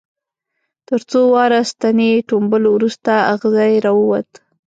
تر څو واره ستنې ټومبلو وروسته اغزی را ووت.